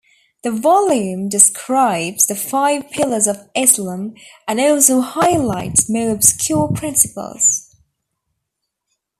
The volume describes the Five Pillars of Islam and also highlights more obscure principles.